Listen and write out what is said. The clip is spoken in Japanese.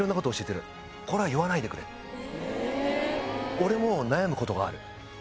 「俺も悩むことがある。